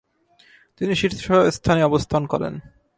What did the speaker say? তিনি শীর্ষস্থানে অবস্থান করেন।